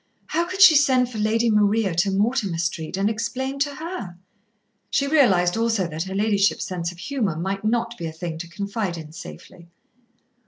How could she send for Lady Maria to Mortimer Street and explain to her? She realised also that her ladyship's sense of humour might not be a thing to confide in safely.